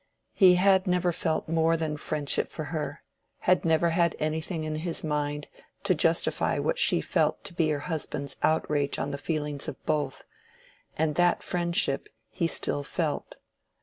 He had never felt more than friendship for her—had never had anything in his mind to justify what she felt to be her husband's outrage on the feelings of both: and that friendship he still felt.